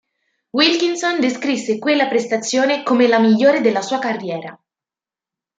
Wilkinson descrisse quella prestazione come la migliore della sua carriera.